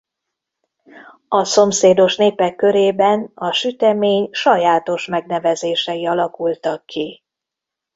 A szomszédos népek körében a sütemény sajátos megnevezései alakultak ki.